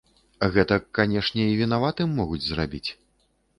Гэтак, канешне, і вінаватым могуць зрабіць.